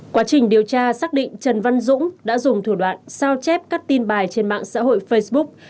quá trình điều tra xác định trần văn dũng đã dùng thủ đoạn sao chép các tin bài trên mạng xã hội facebook